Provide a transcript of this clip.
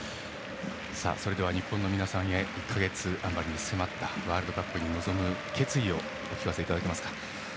それでは日本の皆さんへ１か月あまりに迫ったワールドカップに臨む決意をお聞かせ願いますか。